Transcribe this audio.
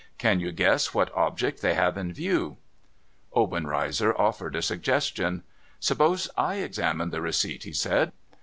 Can you guess what object they have in view ?' Obenreizer offered a suggestion. ' Suppose I examine the receipt ?' he said.